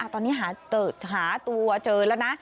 ตอนนี้หาตัวเจอแล้วนะ